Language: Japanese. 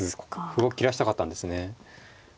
歩を切らしたかったんですね。